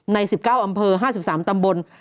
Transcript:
๑๙อำเภอ๕๓ตำบล